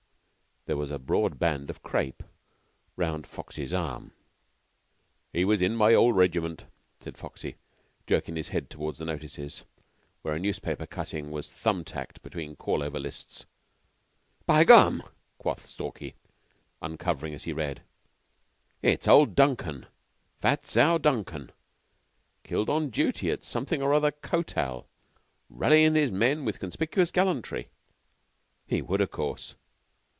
There was a broad band of crape round Foxy's arm. "He was in my old regiment," said Foxy, jerking his head towards the notices, where a newspaper cutting was thumb tacked between call over lists. "By gum!" quoth Stalky, uncovering as he read. "It's old Duncan Fat Sow Duncan killed on duty at something or other Kotal. 'Rallyin' his men with conspicuous gallantry.' He would, of course.